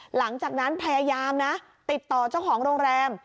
หลังจากนั้นพยายามนะติดต่อเจ้าของโรงแรม